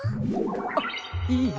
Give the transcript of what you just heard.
あっいえ。